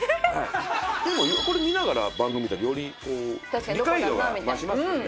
でも、これ見ながら番組見たらより理解度が増しますよね。